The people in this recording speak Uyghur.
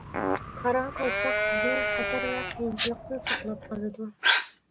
قارا قالپاق بىزنى خەتەر ۋە قىيىنچىلىقتىن ساقلاپ قالىدۇ.